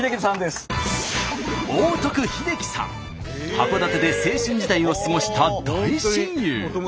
函館で青春時代を過ごした大親友。